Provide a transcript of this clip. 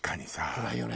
暗いよね。